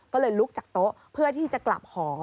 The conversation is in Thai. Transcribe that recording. ก็เลยลุกจากโต๊ะเพื่อที่จะกลับหอ